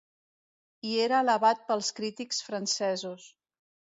I era alabat pels crítics francesos.